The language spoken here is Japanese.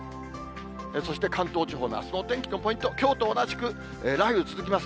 そして関東地方のあすの天気のポイント、きょうと同じく、雷雨続きます。